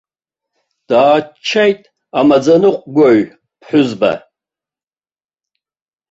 Дааччеит амаӡаныҟәгаҩ ԥҳәызба.